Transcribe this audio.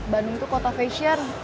bandung tuh kota fashion